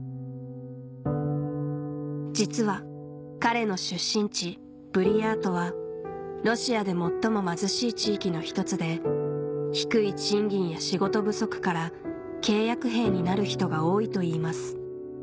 実は彼の出身地ブリヤートはロシアで最も貧しい地域の１つで低い賃金や仕事不足からといいます